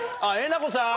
なこさん？